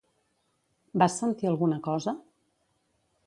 Va sentir alguna cosa?